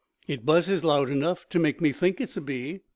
It buzzes loud enough to make me think it a bee."